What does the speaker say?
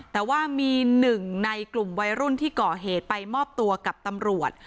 แต่ว่ามีหนึ่งในกลุ่มวัยรุ่นที่ก่อเหตุไปมอบตัวกับตำรวจ